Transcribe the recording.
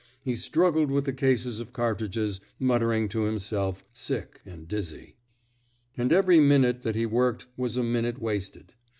He struggled with the cases of cartridges, muttering to himself, sick and dizzy. 42 A CHAEGE OF COWAEDICE And every minute that he worked was a minute wasted.